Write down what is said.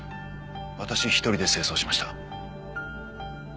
私一人で清掃しました。